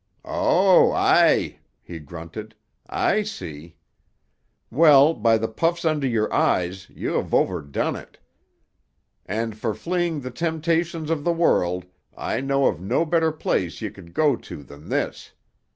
"Oh, aye!" he grunted. "I see. Well, by the puffs under your eyes ye have overdone it; and for fleeing the temptations of the world I know of no better place ye could go to than this.